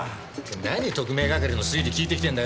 何特命係の推理聞いてきてんだよ！